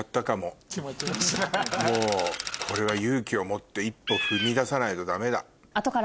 もうこれは勇気を持って一歩踏み出さないとダメだ。